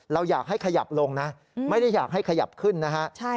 เราอยากให้ขยับลงนะไม่ได้อยากให้ขยับขึ้นนะฮะ